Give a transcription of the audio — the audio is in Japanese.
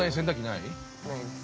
◆ないです。